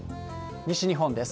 西日本です。